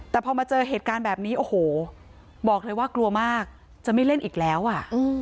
แต่พอมาเจอเหตุการณ์แบบนี้โอ้โหบอกเลยว่ากลัวมากจะไม่เล่นอีกแล้วอ่ะ